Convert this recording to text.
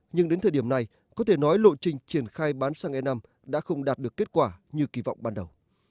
nhưng đến thời điểm này có thể nói lộ trình triển khai bán xăng e năm đã không đạt được kết quả như kỳ vọng ban đầu